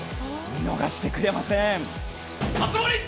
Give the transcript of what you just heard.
見逃してくれません。